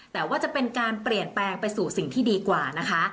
แต่ว่าจะเป็นการเปลี่ยนแปลงไปสู่สิ่งที่ดีกว่านะคะ